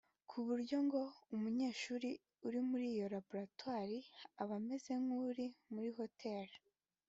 ku buryo ngo umunyeshuri uri muri iyo Laboratwari aba ameze nk’uri muri hoteli